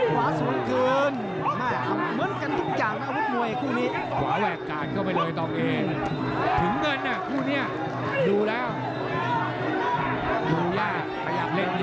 โหมยมีชั้นเดินต้องดูอาวุธด้วย